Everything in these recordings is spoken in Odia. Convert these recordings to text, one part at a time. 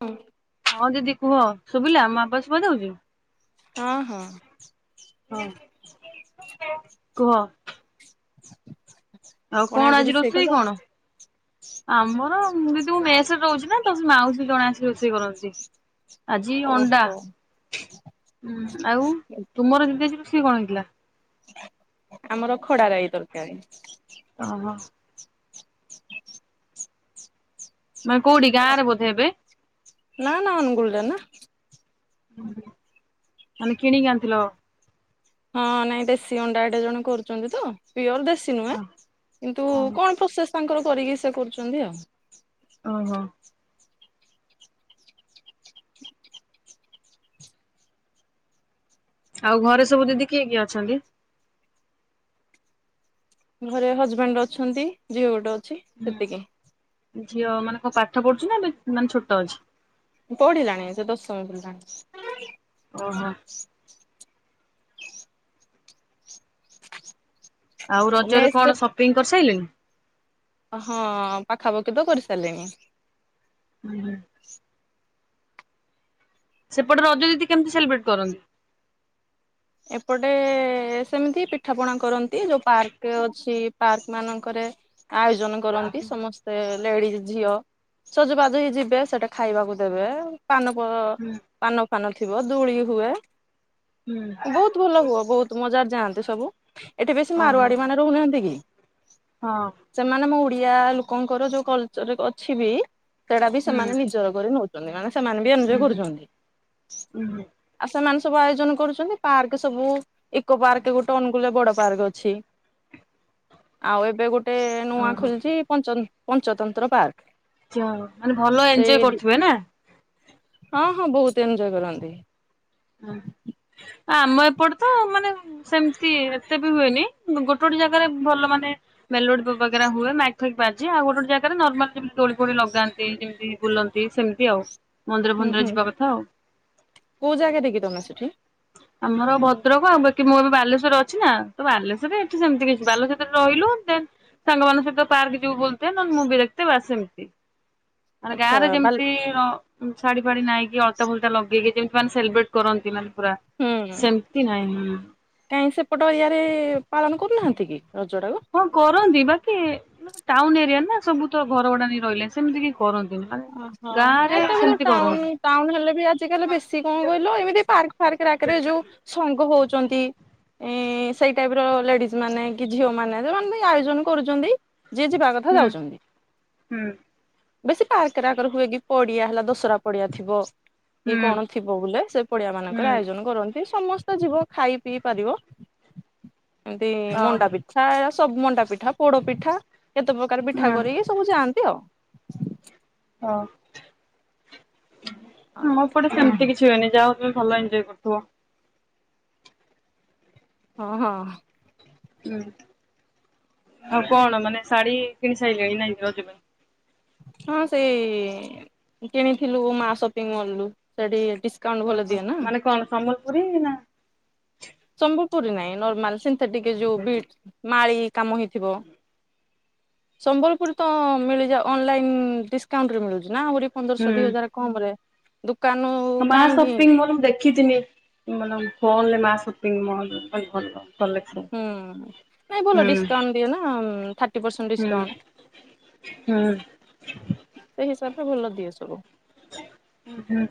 ହଁ। ହଁ ଦିଦି କୁହ ଶୁଭିଲା ମୋ ଆବଦ୍ ଶୁଭାଯାଉଛି? ହଁ ହଁ। ହଁ କୁହ? ଆଉ କଣ ଆଜି ରୁଷେଇ ରୋଷେଇ କଲ? କଣ? ଆମର ଦିଦି ମୁଁ ମେସରେ ରହୁଛି ନା ତ ସେ ମାଉସୀ ଜଣେ ଆସିି ରୋଷେଇ କରନ୍ତି। ଆଜି ଅଣ୍ଡା ଓହୋ ଉଁ ଆଉ ତୁମର ଦିଦି ଆଜି ରୋଷେଇ କଣ ହେଇଥିଲା? ଆମର ଖଡା ରାଇ ତରକାରୀ। ଓହୋ। ମାନେ କୋଉଠି ଗାଁରେ ବୋଧେ ଏବେ? ନାଁ ନାଁ ଅନୁଗୁଲରେନା। ମାନେ କିଣିକି ଆଣିଥିଲ? ହଁ ନାଇଁ ଦେଶୀ ଅଣ୍ଡା ଏଟେ ଜଣ କରୁଛନ୍ତି ତ ପିଓର ଦେଶୀ ନୁଁ କିନ୍ତୁ ଓହୋ କଣ ପ୍ରୋସେସ ତାଙ୍କର କରିକି ସେ କରୁଛନ୍ତି ଆଉ। ଓହୋ। ଆଉ ଘରେ ସବୁ ଦିଦି କିଏ କିଏ ଅଛନ୍ତି? ଘରେ ହଜବାଣ୍ଡ ଅଛନ୍ତି। ଝିଅ ଗୋଟେ ଅଛି। ହୁଁ ସେତିକି ଝିଅ ମାନେ କଣ ପାଠ ପଢୁଛୁ ନା ଏ ମାନେ ଛୋଟ ଅଛି? ପଢିଲାଣି ସେ ଦଶମ ପଢିଲାଣି। ଓହୋ। ଆଉ ରଜରେ ମେସ୍ ରେ କଣ ସପିଂ କରିସାରିଲଣି? ହଁ ପାଖାପାଖି ତ କରିସାରିଲଣି। ହୁଁ। ସେପଟେ ରଜ ଦିଦି କେମିତି ସେଲିବ୍ରେଟ୍ କରନ୍ତି? ଏପଟେ ସେମିତି ପିଠାପଣା କରନ୍ତି ଯୋଉ ପାର୍କ ଅଛି ପାର୍କ ମାନଙ୍କରେ ଆୟୋଜନ କରନ୍ତି ସମସ୍ତେ ଲେଡିଜ ଝିଅ ସଜବାଜ ହେଇ କି ଯିବେ ସେଠି ଖାଇବାକୁ ଦେବେ। ପାନ ହୁଁ ପାନ ଫାନ ଥିବ ଦୋଳି ହୁଏ। ହୁଁ। ବହୁତ ଭଲ ହୁଅ ବହୁତ ମଜାରେ ଯାଆନ୍ତି ସବୁ ଏଠି ବେଶୀ ଓହୋ। ମାରଆଡି ମାନେ ରହୁନାହାନ୍ତି କି? ହଁ। ସେମାନେ ମୋ ଓଡିଆ ଲୋକଙ୍କର ଯୋଉ କଲଚର ଅଛି ବି ସେଟା ବି ହୁଁ ସେମାନେ ନିଜର କରି ନଉ ମାନେ ସେମାନେ ବି ଉଁ ଏନଜୟ ହୁଁ କରୁଛନ୍ତି ଉଁ ହୁଁ ଆଉ ସେମାନେ ସବୁ ଆୟୋଜନ କରୁଛନ୍ତି। ପାର୍କ ସବୁ ଇକୋ ପାର୍କ ଗୋଟେ ଅନୁକୂଳରେ ବଡ ପାର୍କ ଅଛି। ଆଉ ଏବେ ଗୋଟେ ନୂଆ ଓହୋ। ଖୋଲିଛି ପଞ୍ଚ ପଞ୍ଚତନ୍ତ୍ର ପାର୍କ ମାନେ ଭଲ ଏନଞଜୟ ସେଇ ଦି କରୁଥିବେ ନା? ହଁ ହଁ ବହୁତ ଏନଞଜୟ କରନ୍ତି। ହ ଆମ ଏପଟେ ତ ମାନେ ସେମିତି ଏତେ ବି ହୁଏନି ଗୋଟେ ଗୋଟେ ଜାଗାରେ ଭଲ ମାନେ ମେଲୋଡି ବଗରା ହୁଏ ମାଇକି ଫାଇକି ବାଜେ ଆଉ ଗୋଟେ ଗୋଟେ ଜାଗାରେ ନମାଲତି ଦୋଳି ଫୋଳି ଲଗାନ୍ତି ଯେମିତି ବୁଲନ୍ତି ସେମିତି ଆଉ ମନ୍ଦିର ଭନ୍ଦିର ଯିବା କଥା ଆଉ। କଉ ଜାଗାରେ କି ତମେ ସେଠି? ଆମର ଭଦ୍ରକ ଆଉ ବାକି ମୁଁ ଏବେ ବାଲେଶ୍ଵର ଅଛି। ନା ତ ବାଲେଶ୍ଵରରେ ଏଠି ସେମିତି କିଛି ବାଲେଶ୍ଵର ରହିଲୁ ଦେନ ସାଙ୍ଗମାନାନଙ୍କ ସହିତ ପାର୍କ ଯିବୁ ବୋେ ନହେଲେ ମୁଁ ବି ଦେଖେ ବାସ ସେମିତି। ମାନେ ଆଚ୍ଛା ଗାଁରେ ବାଲି ଯେମିତି ଶାଢୀ ଫାଢି ନାଇଁକି ଅଳତା ଫଲଟା ଲଗେଇକି ଯେମିତି ମାନେ ସେଲିବ୍ରେଟ କରନ୍ତି ମାନେ ପୁରା ସେମତି ନାହିଁ। କାଇ ସେପଟ ଏରିଆରେ ପାଳନ କରୁନାହାନ୍ତି କି ରଜଟାକୁ? ହଁ କରନ୍ତି ବାକି ଟାଉନ ଏରିଆ ନା ସବୁ ତ ଘର ଭଡା ନେଇ ରହିଲେ ସେମିତି କି କରନ୍ତିନି ଓହୋ ଗାଁରେ ଏଟା ବି ତ ସେମିତି କରନ୍ତି। ଟାଉନ ଟାଉନ ହେଲେ ବି ଆଜି କାଲି ବେଶୀ କଣ କହିଲ ଏମିତି ପାର୍କ ଫାର୍କ ଆଗରେ ଯୋଉ ସଙ୍ଗ ହଉଛନ୍ତି। ଏ ସେଇ ଟାଇପର ଲେଡିଜ ମାନେ କି ଝିଅ ମାନେ ସେମାନେ ବି ଆୟୋଜନ କରୁଛନ୍ତି। ଯିଏ ଯିବାକ ହୁଁ ହୁଁ। ବେଶୀ ପାର୍କ ଆକାର ହୁଏ କି ପଡିଆ ହେଲା ଦୋସରା ପଡିଆ ଥିବ କି ହୁଁ କଣ ଥିବ ବୋଲେ ସେ ପଡିଆମାନଙ୍କରେ ହୁଁ ଆୟୋଜନ କରନ୍ତି ସମସ୍ତେ ଯିବ ଖାଇ ପିଇ ପାରିବ। ଏମତି ଓହୋ ମଣ୍ଡା ପିଠା ସବୁ ମଣ୍ଡା ପିଠା ପୋଡ ପିଠା କେତେ ପ୍ରକାର ପିଠା ହୁଁ କରିକି ସବୁ ଯାଆନ୍ତି ଆଉ ମୋ ପଟେ ସେମତି କିଛି ହୁଏନି ଯାହା ହୁଏ ଭଲ ଏନଜଏ କରୁଥିବ। ହଁ ହଁ। ହୁଁ ଆଉ କଣ ମାନେ ଶାଢୀ କିଣି ସାଇଲେଣି ନାଇଁ ରଜ ପାଇଁ? ହଁ ସେଇ କିଣିଥିଲୁ ମା ସପିଙ୍ଗ ମଲ୍ ରୁ ସେଠି ଡିସ୍ ଓହୋ ମାନେ କଣ ସମ୍ବଲପୁରୀ ନା ସମ୍ବଲପୁରୀ ନାଇଁ ନର୍ମାଲ୍ ସନ୍ଥେଟିକ୍ ଏ ଯୋଉ ବିଟ୍ସ୍ ମାଳି କାମ ହେଇଥିବ। ସମ୍ବଲପୁରୀ ତ ମିଳିଯା ଅନଲାଇନ୍ ଡିସକାଉଣ୍ଟରେ ମିଳୁଚି ନା ଆହୁରି ହୁଁ ପନ୍ଦରଶଅ ଦୁଇ ହଜାର କମ୍ ରେ ଦୁକାନୁ ହ ମା ସପିଙ୍ଗ ମଲ୍ ମୁଁ ଦେଖିତିଲି ମାନ ଫୋନ ରେ ମା ସପିଙ୍ଗ ମଲ୍ ଭଲ୍ ଭଲ କଲେକ୍ସନ। ହୁଁ ନାଇଁ ଭଲ ହୁଁ। ଡିସକାଉଣ୍ଟ ଦିଏ ନା ଥାର୍ଟି ପରସେଣ୍ଟ୍ ହୁଁ ଡିସକାଉଣ୍ଟ ହୁଁ। ଏଇ ହିସାବରେ ଭଲ ଦିଏ ସବୁ ହୁଁ।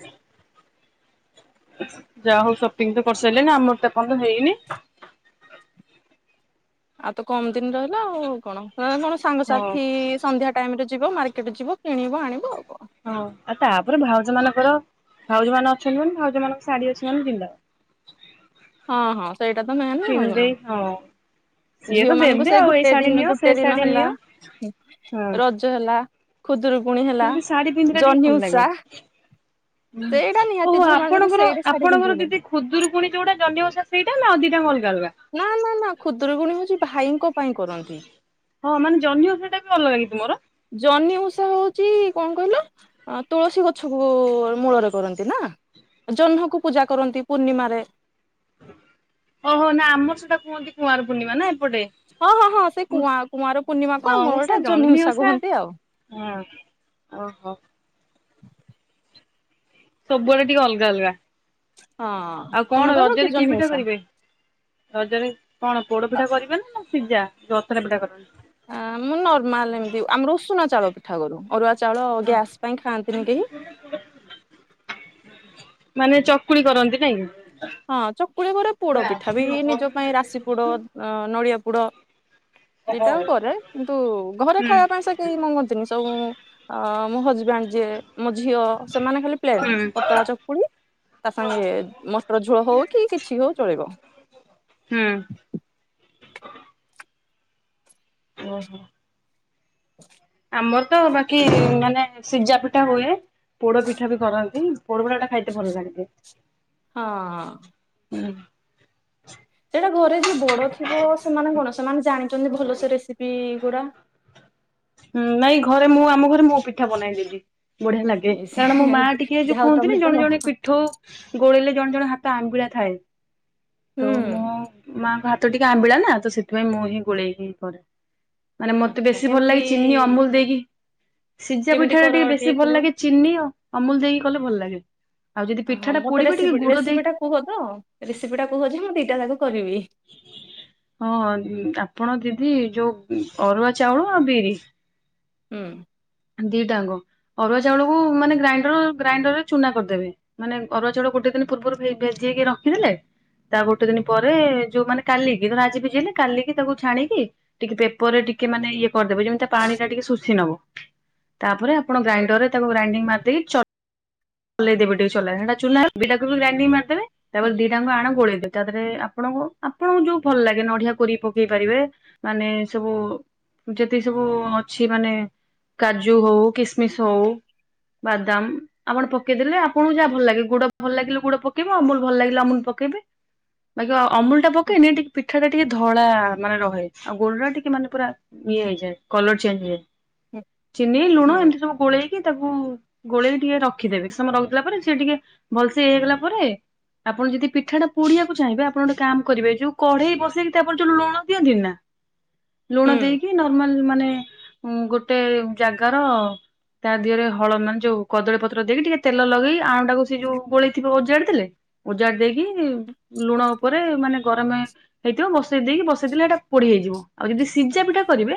ଯାଆ ହଉ ସପିଙ୍ଗ୍ ତ କରସାଇଲେ ନା ଆମର ତ [unintelligible] ତ ହେଇନି। ଆଉ ତ କମ୍ ଦିନ୍ ରହିଲା ଆଉ କଣ ଏଁ କଣ ହଁ ସାଙ୍ଗସାଥି ଇଏସ୍ ସନ୍ଧ୍ୟା ଟାଇମ୍ ରେ ଯିବ ମାର୍କେଟ ଯିବ କିଣିବ ଆଣିବ ଆଉ କଣ? ହଁ ଆଉ ତାପରେ ଭାଉଜ ମାନଙ୍କର ଭାଉଜ ମାନ ଅଛନ୍ତି ମାନେ ଭାଉଜ ମାନଙ୍କ ଶାଢୀ ଅଛି ଆମେ ପିନ୍ଧ୍ ଦବା। ହଁ ହଁ ସେଇଟା ତ ମେନେ ଆଉ କଣ? କିଣିଦେଇ ହଁ ସିଏ ତ ଝିଅ ମାନଙ୍କୁ ଦେବେ ସେ ଆଉ ଏଇ ଗୁଟେ ଶାଢୀ ଦିନ ନିଅ ସେ ଗୁଟେ ଦିନ ଶାଢୀ ହେଲା ନିଅ ଉଁ ହଁ ରଜ ହେଲା ଖୁଦୁରୁକୁଣୀ ସେ ହେଲା ଶାଢୀ ପିନ୍ଧିଲା ଟିକେ ଭଲ ଲାଗେ। ଜହ୍ନିଉଷା ସେଇଟା ନିହାତି ଝିଅ ମାନଙ୍କର ସେଇଡା ଶାଢ଼ୀ ପିନ୍ଧିବନେଇ। ଖୁଦୁରୁକୁଣୀ ଯୋଉଟା ଜହ୍ନିଓଷା ସେଇଟା ନା ଅ ଦିଟା ଯାକଁ ଅଲଗା ଅଲଗା? ନା- ନା- ନା ଖୁଦୁରୁକୁଣୀ ହଉଚି ଭାଇଙ୍କ ପାଇଁ କରନ୍ତି। ହଁ ମାନେ ଜହ୍ନି ଓଷା ଟା ବି ଅଲଗା କି ତୁମର? ଜହ୍ନି ଉଷା ହଉଚି କଁ କହିଲ? ଆଁ ତୁଳସୀ ଗଛକୁ ମୂଳରେ କରନ୍ତି ନା? ଜହ୍ନକୁ ପୂଜା କରନ୍ତି ପୂର୍ଣ୍ଣିମାରେ ଓହୋ ନା ଆମର ସେଟା କୁହନ୍ତି କୁଆଁର ପୂର୍ଣ୍ଣିମା ନା ଏପଟେ ହଁ ହଁ ହଁ ସେ କୁଆଁ କୁଆଁର ପୂର୍ଣ୍ଣିମାକୁ ହଁ ଆମ ମୁଁ ସେ ପଟେ ଜହ୍ନି ଉଷା ଓଷା କୁହନ୍ତି ଆଉ। ହଁ ଓହୋ। ସବୁଆଡେ ଟିକେ ଅଲଗା ଅଲଗା। ହଁ ଅଁ। ଆଉ କଣ ରଜରେ କି ପିଠା କରିବେ? ରଜରେ କଣ ପୋଡ ପିଠା କରିବେ ନା ସିଜା ଯୋଉ ଅଥରା ପିଠା କରନ୍ତି। ଆ ମୁଁ ନର୍ମାଲ୍ ଏମତି ଆମର ଉଷୁନା ଚାଉଳ ପିଠା କରୁ। ଅରୁଆ ଚାଉଳ ଗ୍ୟାସ୍ ପାଇଁ ଖାଆନ୍ତିନି କେହି ମାନେ ଚକୁଳି କରନ୍ତି ନାଇଁ କି? ହଁ ଚକୁଳି ପଡେ ପୋଡ ପିଠା ବି ନିଜ ପାଇଁ ରାଶି ପୁଡ ଅଁ ନଡିଆ ପୁଡ ଦିଟାଉ କରେ କିନ୍ତୁ ଘରେ ହୁଁ ଖାଇଆ ପାଇଁ ସେ କେଇ ମଙ୍ଗନ୍ତିନି ସବୁ ମୁଁ ଆ ମୋ ହଜବାଣ୍ଡ୍ ଯିଏ ମୋ ଝିଅ ସେମାନେ ଖାଲି ପ୍ଲେନ୍ ହୁଁ ପତଳା ଚକୁଳି ତା ସାଙ୍ଗେ ମଟର ଝୋଳ ହଉ କି କିଛି ହଉ ଚଳିବ। ହୁଁ। ଓହୋ ହ ଆମର ତ ବାକି ମାନେ ସିଜା ପିଠା ହୁଏ। ପୋଡ ପିଠା ବି କରନ୍ତି। ପୋଡପିଠା ଟା ଖାଇତେ ଭଲ ଲାଗେ। ହଁଁ। ହୁଁ। ସେଟା ଘରେ ଯିଏ ବଡ ଥିବ ସେମାନେ କଣ ସେମାନେ ଜାଣିଛନ୍ତି ଭଲ ସେ ରେସିପି ଗୁଡା। ହଁ ନାଇଁ ଘରେ ମୁଁ ଆମ ଘରେ ମୁଁ ପିଠା ବନାଏ ଦିଦି। ବଢିଆ ଲାଗେ। ଏ ସେ କାରଣ ମୋ ମା ଟିକେ ଯୋଉ ଯାହା ହଉ କୁହନ୍ତିନି ତମେ ତ ଜଣେ ଜଣେ ପିଠଉ ଗୋଳେଇଲେ ଜଣେ ଜଣ ହାତ ଆମ୍ବିଳା ଥାଏ। ତ ମୋ ହୁଁ ମାଙ୍କ ହାତ ତ ଟିକେ ଆମ୍ବିଳା ନା, ତ ସେଥିପାଇଁ ମୁଁ ହିଁ ଗୋଳେଇକି ହିଁ କରେ। ମାନେ ମତେ ଆଚ୍ଛା ବେଶୀ ଭଲ କେମିତି ଲାଗେ ଚିନି, ଅମୁଲ ଦେଇକି ସିଝା କେମିତି ପିଠା ଟା କର ଟିକେ ବେଶୀ କୁହ? ଭଲ ଲାଗେ ଚିନି ଆ ଅମୁଲ ଦେଇକି କଲେ ଭଲ ଲାଗେ। ଆଉ ଯଦି ହଁ ପିଠା ଟା ମତେ ପୋଡିବ ଟିକେ ରେସିପି ଗୁଡ ରେସିପି ଦେଇ ଟା କୁହ ତ ରେସିପି ଟା କୁହ ଯେ, ମୁଁ ଦିଟା ଯାକ କରିବି। ହଁ ଆପଣ ଦିଦି ଯୋଉ ଅରୁଆ ଚାଉଳ ଆଉ ବିରି ହୁଁ। ଦିଟା ଯାଙ୍କ ଅରୁଆ ଚାଉଳକୁ ମାନେ ଗ୍ରାଇଣ୍ଡର ଗ୍ରାଇଣ୍ଡରରେ ଚୁନା କରିଦେବେ। ମାନେ ଅରୁଆ ଚାଉଳ ଗୋଟେ ଦିନ ପୂର୍ବରୁ ଭେ ଭେଯେଇକି ରଖିଥିଲେ ତା ଗୋଟେ ଦିନ ପରେ ଯୋଉ ମାନେ କାଲିକି ଧର ରାଜି ଭିଜେଇଲି କାଲିକି ତାକୁ ଛାଣିକି ଟିକେ ପେପର ରେ ଟିକେ ମାନେ ଇଏ କରିଦେବ ଯେମିତି ପାଣି ଟା ଟିକେ ଶୋଷି ନବ। ତାପରେ ଆପଣ ଗ୍ରାଇଣ୍ଡର ରେ ତାକୁ ଗ୍ରାଇଣ୍ଡିଂ ମାରଦେଇକି ଚ ଚଲେଇ ଦେବେ ଟିକେ ଚଲାରେ। ହେଟା ଗ୍ରାଇଣ୍ଡିଙ୍ଗ ମାରିଦେବେ। ହୁଁ ତାପରେ ଦିଟାଙ୍କୁ ଆଣ ଗୋଳେଇଦବେ ତା ଦେହରେ ଆପଣ ଆପଣଙ୍କୁ ଯୋଉ ଭଲ ଲାଗେ ନଡିଆ କୋରିକି ପକେଇ ପାରିବେ। ମାନେ ସବୁ ଯେତିକି ସବୁ ଅଛି ମାନେ କାଜୁ ହଉ, କିସମିଶ ହଉ, ବାଦାମ ଆପଣ ପକେଇଦେଲେ ଆପଣଙ୍କୁ ଯାହା ଭଲ ଲାଗେ ଗୁଡ ଭଲ ଲାଗିଲେ ଗୁଡ ପକେଇବେ। ଅମୁଲ ଭଲ ଲାଗିଲେ ଅମୁଲ ପକେଇବେ। ବାକି ଅମୁଲ ଟା ପକେଇନେ ଆଚ୍ଛା ଟିକେ ପିଠା ଟା ଟିକେ ଧଳା ମାନେ ରହେ। ଆଉ ଗୁଡ ଟା ଟିକେ ମାନେ ପୁରା ଇଏ ହେଇଯାଏ କଲର ଚେଞ୍ଜ ହେଇଯାଏ। ହୁଁ ଚିନି, ହୁଁ ଲୁଣ ଏମିତି ସବୁ ଗୋଳେଇକି ତାକୁ ଗୋଳେଇକି ଟିକେ ରଖ ରଖିଦେବେ। କିଛି ସମୟ ରଖିଥିଲା ପରେ ସିଏ ଟିକେ ଭଲସେ ଇଏ ହେଇଗଲା ପରେ ଆପଣ ଯଦି ପିଠା ଟା ପୋଡିବାକୁ ଚାହିଁବେ, ଆପଣ ଗୋଟେ କାମ କରିବେ ଯୋଉ କଢେଇ ବସେଇକି ତା ଆପଣ ଯୋଉ ଲଣ ଦିଅନ୍ତି ନା? ଲୁଣ ହୁଁ ଦେଇକି ନର୍ମାଲ ମାନେ ଉଁ ଗୋଟେ ଜାଗାର ତା ଦିହରେ ହଳ ମାନେ ଯୋଉ କଦଳୀ ପତ୍ର ତ୍ର ଦେଇକି ଟିକେ ତେଲ ଲଗେଇ ଆଣଟାକୁ ସେ ଯୋଉ ଗୋଳେଇଥିବ ଓଜାଡି ଦେଲେ, ଓଜାଡି ଦେଇକି ଲୁଣ ଉପରେ ମାନେ ଗରମ ହେଇଥିବ ବସେଇ ଦେଇକି ବସେଇଦେଲେ ହେଇଟା ପୋଡି ହେଇଯିବ। ଆଉ ଯଦି ସିଝା ପିଠା କରିବେ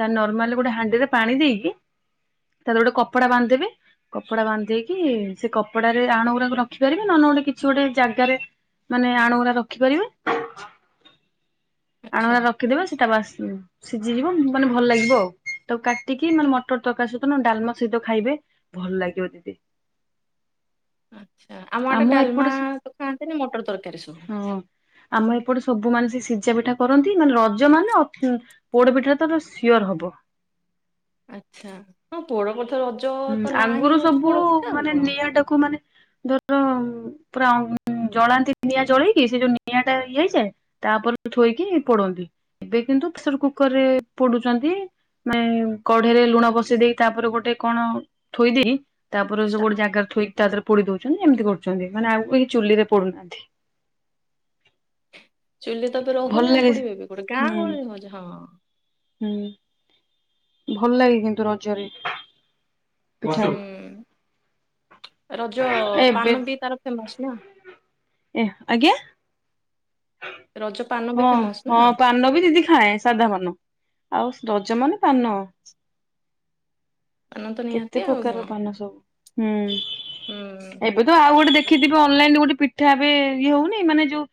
ତା ନର୍ମାଲି ଗୋଟେ ହାଣ୍ଡିରେ ପାଣି ଦେଇକି ତା ଦେହରେ ଗୋଟେ କପଡ଼ା ବାନ୍ଧି ଦେବେ। କପଡା ବାନ୍ଧଦେଇକି ସେ କପଡାରେ ଆଣ ଗୁଡାକୁ ରଖିପାରିବେ ନହେଲେ ଗୋଟେ କିଛି ଗୋଟେ ଜାଗାରେ ମାନେ ଆଣଗୁୁରା ରଖିପାରିବେ। [inaudible] ଆଣଗୁରା ରଖିଦେବେ। ସେଟା ବାସ ସିଝିଯିବ ମାନେ ଭଲ ଲାଗିବ ଆଉ। ତାକୁ କାଟିକି ମାନେ ମଟର ତରକାରୀ ସହିତ ଡାଲମା ସହିତ ଖାଇବେ। ଭଲ ଲାଗିବ ଦିଦି। ଆମ ଆଡ଼େ ଡାଲମା ତ ଖାଆନ୍ତିନି ମଟର ତରକାରୀ ସବୁ। ହଁ ଆମ ଏପଟେ ସବୁ ମାନେ ସେ ସିଝା ପିଠା କରନ୍ତି। ମାନେ ରଜ ମାନେ ଅ ପୋଡ ପିଠା ତର ସିଓର ହବ। ଆଛା। ହୁଁ ଆଗରୁ ସବୁ ମାନେ ନିଆଁଟାକୁ ମାନେ ଧର ପୁରା ଜଳାନ୍ତି ନିଆଁ ଜଳେଇକି ସେ ଯୋଉ ନିଆଁ ଟା ଇଏ ହେଇଯାଏ। ତା ପରେ ଥୋଇକି ପୋଡନ୍ତି। ଏବେ କିନ୍ତୁ ପ୍ରେସର କୁକରରେ ପୋଡୁଛନ୍ତି। ମାନେ କଢେରେ ଲୁଣ ବସେଇ ଦେଇ ତାପରେ ଗୋଟେ କଣ ଥୋଇଦେଇ ତା ପରେ ସେ ଷ୍ଟା- ଗୋଟେ ଜାଗାରେ ଥୋଇ ତା ଦେହରେ ପୋଡି ଦଉଛନ୍ତି। ଏମିତି କରୁଛନ୍ତି ମାନେ ଆଉ କେଇ ଚୁଲିରେ ପୋଡୁନାହାନ୍ତି। ଚୁଲି ତ ଏବେ ଭଲ ରହୁନି ଆଉ ଲାଗେ ପୁଡିବେ ବି ହୁଁ କୋଉଠି? ହୁଁ। ଭଲ ଲାଗେ କିନ୍ତୁ ରଜରେ। ପିଠା ହୁଁ ରଜ ଏବେ ପାନ ବି ତାର ଫେମସ୍ ନା। ଏ ଆଜ୍ଞା। ରଜ ପାନ ହଁ ବି ଫେମସ ହଁ ନା ପାନ ବି ଦିଦି ଖାଏଁ ସାଧା ପାନ। ଆଉ ରଜ ମାନେ ପାନ। ପାନ ତ ନିହାତି କେତେ ଆଉ ପ୍ରକାରର କଣ ପାନ ସବୁ। ହୁଁ। ହୁଁ ଏବେ ତ ଆଉ ଗୋଟେ ଦେଖ୍ ଖିଥିବେ ଅନଲାଇନରେ ଗୋଟେ ପିଠା ଏବେ ଇଏ ହଉନି ମାନେ ଯୋଉ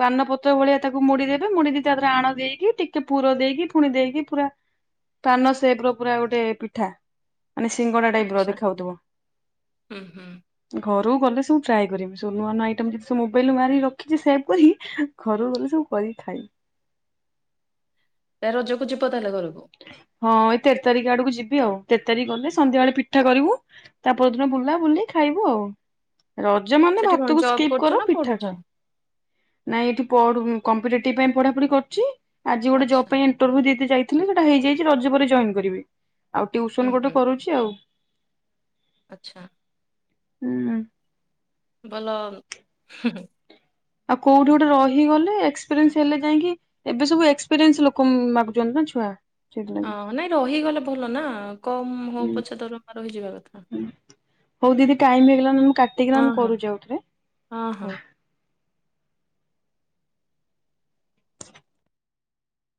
ପାନ ପତ୍ର ଭଳିଆ ତାକୁ ମୋଡିଦେବେ। ମୋଡକି ତା ପରେ ଆଣ ଦେଇକି ଟିକେ ପୁର ଦେଇକି ପୁଣି ଦେଇକି ପୁରା ପାନ ସେପର ପୁରା ଗୋଟେ ପିଠା। ମାନେ ସିଙ୍ଗଡା ଟାଇପର ଆଚ୍ଛା ଦେଖାଉଥିବ। ହୁଁ ହୁଁ ଘରକୁ ଗଲେ ସବୁ ଟ୍ରାଏ କରିବି। ସବୁ ନୂଆ ନୂଆ ଆଇଟମ୍ କି ସବୁ ମୋବାଇଲ୍ ମାରିକି ରଖିଛି ସେଭ୍। କଲି। ଘରୁକୁ ଗଲେ ସବୁ କରି ଖାଇବି। ତ ରଜକୁ ଯିବ ତାହେଲେ ଘରକୁ। ହଁ ଏଇ ତେର ତାରିଖ ଆଡକୁ ଯିବି ଆଉ। ତେର ତାରିଖ ଗଲେ ସନ୍ଧ୍ୟା ବେଳେ ପିଠା କରିବୁ। ତା ପରଦିନ ବୁଲା ବୁଲି ଖାଇବୁ ଆଉ। ରଜ ମାନେ ସେଠି କଣ ଭାତକୁ ଜବ୍ ସ୍କିପ୍ କରୁଛ କର ନା ପିଠା ପଢୁଛ ଖାଅ। ନାଇଁ ଏଇଠି କମ୍ପିଟେଟିଭ୍ ପାଇଁ ପଢାପଢି କରୁଛି। ଆଜି ଗୋଟେ ଜବ୍ ଆଚ୍ଛା ପାଇଁ ଇନଟରଭିୟୁ ଦେଇତେ ଯାଇଥିଲି ସେଟା ହେଇଯାଇଛି ରଜ ପରେ ଜଏନ୍ କରିବି। ଆଉ ହୁଁ ଟ୍ୟୁସନ୍ ଗୋଟେ ହୁଁ କରୁଛି। [unintelligible] ଆଚ୍ଛା। ଉଁ। ଗଲ ଆଉ କୋଉଠି ଗୋଟେ ରହିଗଲେ ଏକ୍ସପେରିଏନ୍ସ ହେଲେ ଯାଇକି ଏବେ ସବୁ ଏକ୍ସପେରିଏନ୍ସ ଲୋକ ମାଗୁଛନ୍ତି ନା ଛୁଆ। ହଁ ସେଥିଲାଗି ନାଇଁ ରହିଗଲେ ଭଲ ନା। କମ ହଉ ପଛେ ଦରମା ରହିଯିବା କଥା। ହଉ ଦିଦି ଟାଇମ୍ ହେଇଗଲାଣି ମୁଁ ହଁ କାଟିକିନି ହଁ କରୁଛି ଆଉ ଥରେ। ହଁ ହଁ